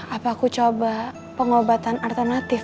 apa aku coba pengobatan alternatif